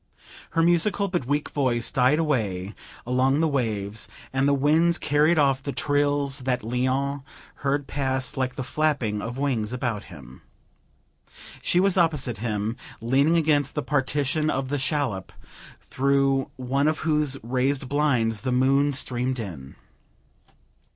Her musical but weak voice died away along the waves, and the winds carried off the trills that Léon heard pass like the flapping of wings about him. She was opposite him, leaning against the partition of the shallop, through one of whose raised blinds the moon streamed in.